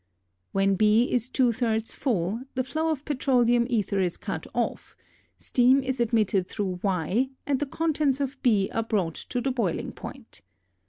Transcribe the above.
When B is two thirds full, the flow of petroleum ether is cut off, steam is admitted through y and the contents of B are brought to the boiling point.